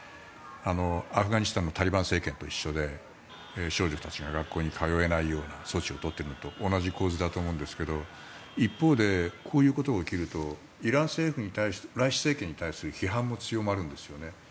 アフガニスタンのタリバン政権と一緒で少女たちが学校に通えないような措置を取っているのと同じ構図だと思うんですが一方で、こういうことが起きるとイラン政府、ライシ政権に対して批判も強まるんですよね。